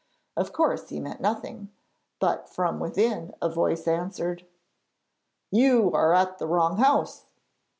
Of course he meant nothing, but from within a voice answered: 'You are at the wrong house.'